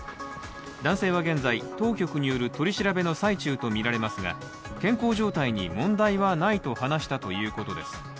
男性は、現在、当局による取り調べの最中とみられますが健康状態に問題はないと話したということです